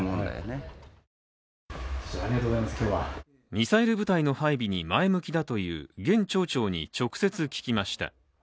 ミサイル部隊の配備に前向きだという現町長に直接聞きました。